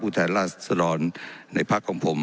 อุทรศรรณในภาคของผม